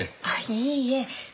あっいいえ。